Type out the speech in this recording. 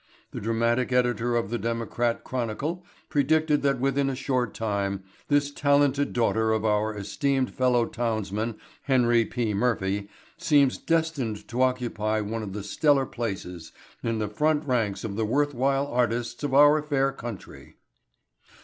The dramatic editor of the Democrat Chronicle predicted that within a short time "this talented daughter of our esteemed fellow townsman Henry P. Murphy seems destined to occupy one of the stellar places in the front ranks of the worth while artists of our fair country."